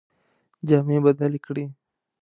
جامې بدلي کړې.